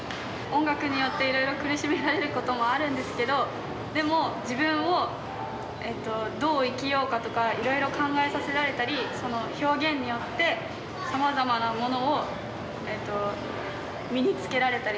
音楽によっていろいろ苦しめられることもあるんですけどでも自分をどう生きようかとかいろいろ考えさせられたり表現によってさまざまなものを身につけられたりする